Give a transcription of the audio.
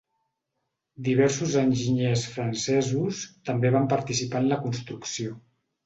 Diversos enginyers francesos també van participar en la construcció.